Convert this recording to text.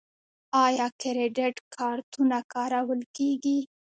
آیا کریډیټ کارتونه کارول کیږي؟